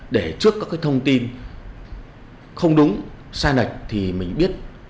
để trước các cái thông tin không đúng sai lệch thì mình biết